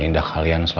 nneng jadian nya